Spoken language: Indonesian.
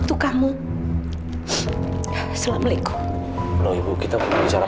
tuhan salah saya salah